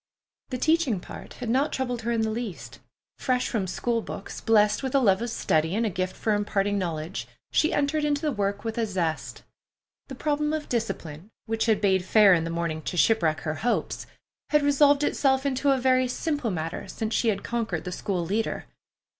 The teaching part had not troubled her in the least. Fresh from school books, blest with a love of study and a gift for imparting knowledge, she entered into the work with a zest. The problem of discipline, which had bade fair in the morning to shipwreck her hopes, had resolved itself into a very simple matter since she had conquered the school leader.